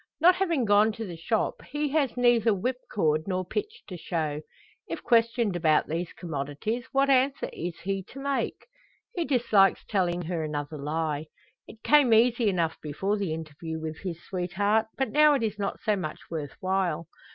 Not having gone to the shop, he has neither whipcord nor pitch to show. If questioned about these commodities, what answer is he to make? He dislikes telling her another lie. It came easy enough before the interview with his sweetheart, but now it is not so much worth while.